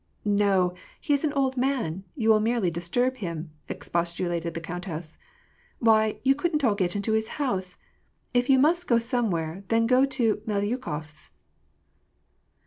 " No, he is an old man ; and you will merely disturb him," expostulated the countess. "Why ! you couldn't all get into his house ! If you must go somewhere, then go to the Melyu kofs'."